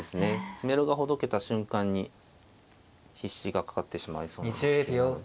詰めろがほどけた瞬間に必至がかかってしまいそうな玉形なので。